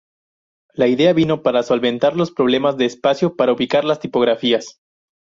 La idea vino para solventar los problemas de espacio para ubicar las tipografías.